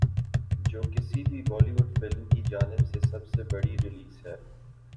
جو کسی بھی بولی وڈ فلم کی جانب سے سب سے بڑی ریلیز ہے